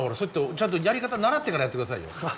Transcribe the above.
ちゃんとやり方習ってからやって下さいよ。